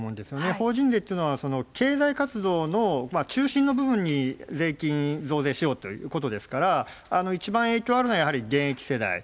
法人税というのは、経済活動の中心の部分に税金、増税しようということですから、一番影響あるのは、現役世代。